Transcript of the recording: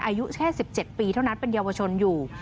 อายุแค่๑๗ปีเท่านั้นเป็นเยาวชนอยู่